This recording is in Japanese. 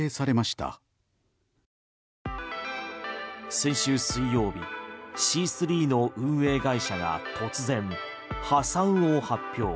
先週水曜日シースリーの運営会社が突然、破産を発表。